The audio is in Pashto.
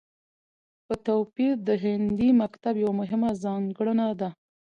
په توپير د هندي مکتب يوه مهمه ځانګړنه ده